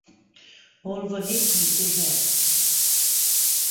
اور وہیں پھنسے ہیں۔